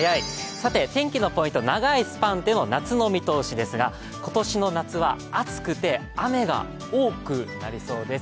さて天気のポイント、長いスパンで夏の見通しですが、今年の夏は暑くて雨が多くなりそうです。